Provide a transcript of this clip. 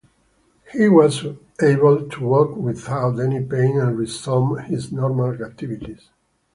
He was able to walk without any pain and resumed his normal activities.